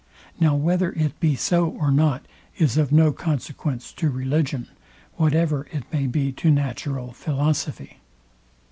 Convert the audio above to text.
Now whether it be so or not is of no consequence to religion, whatever it may be to natural philosophy.